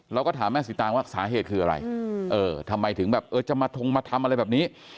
เราก็ถามแม่สีตางว่าสาเหตุคืออะไรเออทำไมถึงแบบเออจะมาทงมาทำอะไรแบบนี้